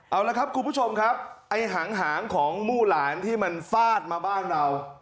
เอาละครับคุณผู้ชมครับไอ้หางของมู่หลานที่มันฟาดมาบ้านเรา